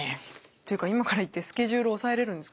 ていうか今から言ってスケジュール押さえれるんすか？